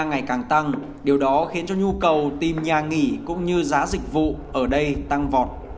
ngày càng tăng điều đó khiến cho nhu cầu tìm nhà nghỉ cũng như giá dịch vụ ở đây tăng vọt